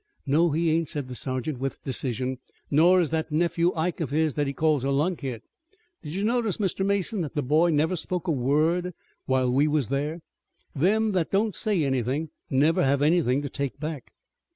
"No, he ain't," said the sergeant, with decision, "nor is that nephew Ike of his that he calls a lunkhead. Did you notice, Mr. Mason, that the boy never spoke a word while we was there? Them that don't say anything never have anything to take back."